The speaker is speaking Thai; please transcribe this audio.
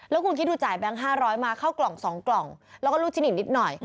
แล้วคุณคิดดูจ่ายแบงค์๕๐๐มาเข้ากล่อง๒กล่องแล้วก็ลูกชิ้นอีกนิดหน่อย